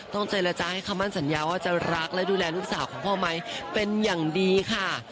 เจรจาให้คำมั่นสัญญาว่าจะรักและดูแลลูกสาวของพ่อไหมเป็นอย่างดีค่ะ